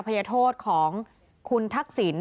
ภัยโทษของคุณทักษิณ